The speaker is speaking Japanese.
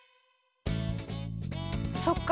そっか。